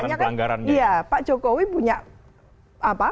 pelanggaran pelanggaran iya pak jokowi punya